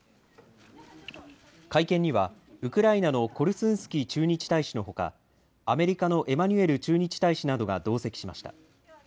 会見には、ウクライナのコルスンスキー駐日大使のほか、アメリカのエマニュエル駐日大使などが同席しました。